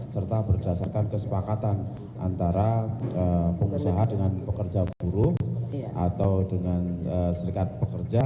serta berdasarkan kesepakatan antara pengusaha dengan pekerja buruh atau dengan serikat pekerja